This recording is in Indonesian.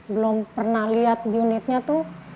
belum pernah lihat unitnya tuh